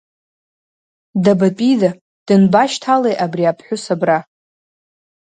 Дабатәида, данбашьҭалеи абри аԥҳәыс абра?